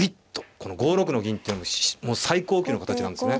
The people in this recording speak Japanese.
この５六の銀っていうのもう最高級の形なんですよね。